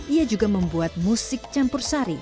ia juga membuat musik campur sari